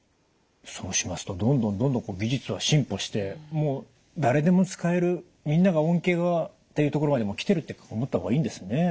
そうしますとどんどんどんどん技術は進歩してもう誰でも使えるみんなが恩恵はっていうところまでもう来てるって思った方がいいんですね。